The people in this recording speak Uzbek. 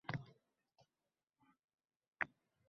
nostrifikatsiyalash uchun qanday hujjatlar talab qilinadi?